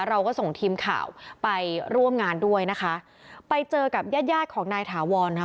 เราก็ส่งทีมข่าวไปร่วมงานด้วยนะคะไปเจอกับญาติญาติของนายถาวรค่ะ